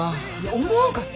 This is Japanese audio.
思わんかった？